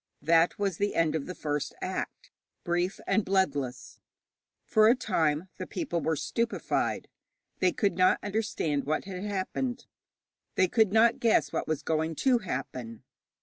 That was the end of the first act, brief and bloodless. For a time the people were stupefied. They could not understand what had happened; they could not guess what was going to happen.